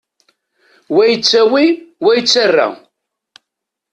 Wa yettawi, wa yettarra.